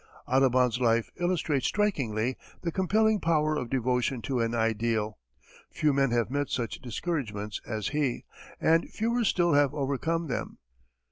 Audubon's life illustrates strikingly the compelling power of devotion to an ideal. Few men have met such discouragements as he, and fewer still have overcome them.